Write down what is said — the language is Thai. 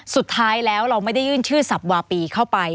สุดท้ายแล้วเราไม่ได้ยื่นชื่อสับวาปีเข้าไป